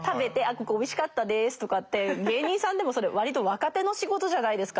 ここおいしかったですとかって芸人さんでもそれ割と若手の仕事じゃないですか。